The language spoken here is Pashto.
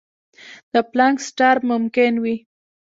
د پلانک سټار ممکن وي.